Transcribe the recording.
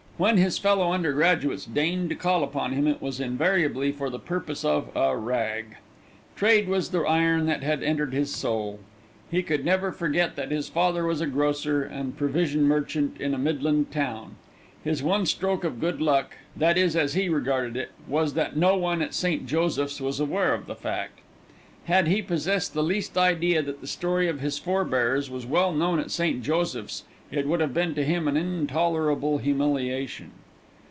When his fellow undergraduates deigned to call upon him it was invariably for the purpose of a "rag." Trade was the iron that had entered his soul; he could never forget that his father was a grocer and provision merchant in a midland town. His one stroke of good luck, that is as he regarded it, was that no one at St. Joseph's was aware of the fact. Had he possessed the least idea that the story of his forebears was well known at St. Joseph's it would have been to him an intolerable humiliation.